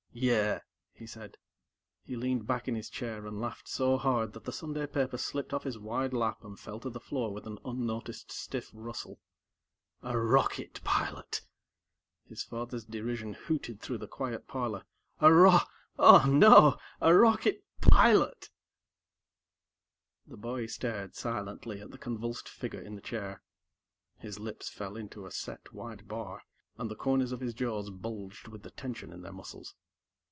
"Yeah," he said. He leaned back in his chair and laughed so hard that the Sunday paper slipped off his wide lap and fell to the floor with an unnoticed stiff rustle. "A rocket pilot!" His father's derision hooted through the quiet parlor. "A ro oh, no! a rocket pilot!" The boy stared silently at the convulsed figure in the chair. His lips fell into a set white bar, and the corners of his jaws bulged with the tension in their muscles.